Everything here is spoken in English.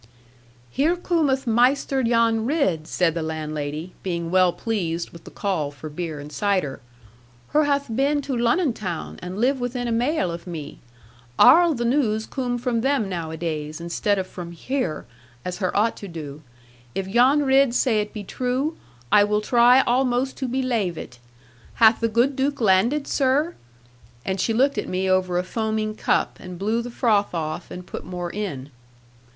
'Here coom'th Maister Jan Ridd,' said the landlady, being well pleased with the call for beer and cider: 'her hath been to Lunnon town, and live within a maile of me. Arl the news coom from them nowadays, instead of from here, as her ought to do. If Jan Ridd say it be true, I will try almost to belave it. Hath the good Duke landed, sir?' And she looked at me over a foaming cup, and blew the froth off, and put more in.